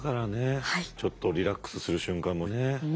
ちょっとリラックスする瞬間もね。